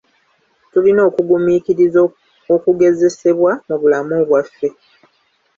Tulina okugumiikiriza okugezesebwa mu bulamu bwaffe.